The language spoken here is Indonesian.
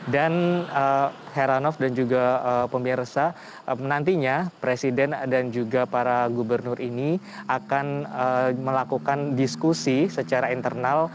dan juga pemirsa nantinya presiden dan juga para gubernur ini akan melakukan diskusi secara internal